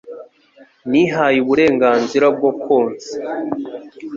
Nihaye uburenganzira bwo konsa…